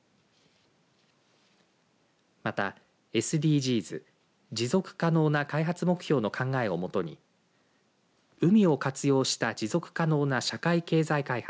また、ＳＤＧｓ＝持続可能な開発目標の考えをもとに海を活用した持続可能な社会経済開発